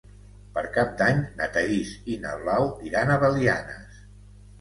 Per Cap d'Any na Thaís i na Blau iran a Belianes.